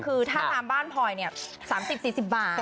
คือถ้าตามบ้านพลอย๓๐๔๐บาท